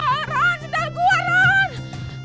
aduh ron sendal gua ron